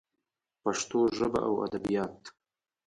پښتو ژبه او ادبیات